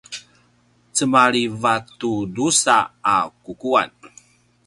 cemalivat tu drusa a kukuan